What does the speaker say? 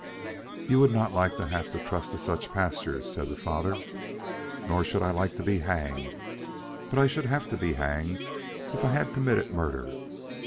"You would not like to have to trust to such pastures," said the father. "Nor should I like to be hanged; but I should have to be hanged if I had committed murder.